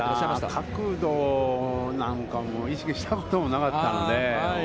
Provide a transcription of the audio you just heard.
角度なんかも意識したこともなかったので。